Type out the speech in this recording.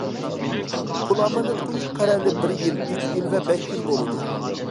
پۇل ئامانەت قويۇش قەرەلى بىر يىل، ئۈچ يىل ۋە بەش يىل بولىدۇ.